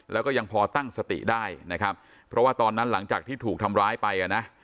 แล้วก็ยังพอตั้งสติได้นะครับเพราะว่าตอนนั้นหลังจากที่ถูกทำร้ายไปอ่ะนะ